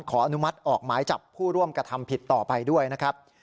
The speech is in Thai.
อนุมัติออกหมายจับผู้ร่วมกระทำผิดต่อไปด้วยนะครับ